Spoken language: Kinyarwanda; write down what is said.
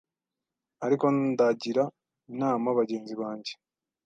Ariko ndagira inama bagenzi banjye